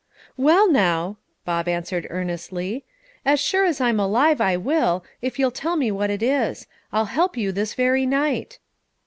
"Well, now," Bob answered earnestly, "as sure as I'm alive, I will, if you'll tell me what it is; I'll help you this very night."